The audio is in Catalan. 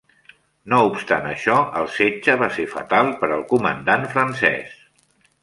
No obstant això, el setge va ser fatal per al comandant francès.